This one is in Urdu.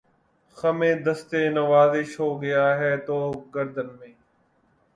خمِ دستِ نوازش ہو گیا ہے طوق گردن میں